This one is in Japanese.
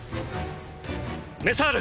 メサール！